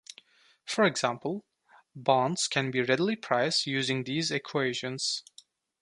For example, bonds can be readily priced using these equations.